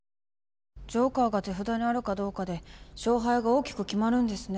ジョーカーが手札にあるかどうかで勝敗が大きく決まるんですね。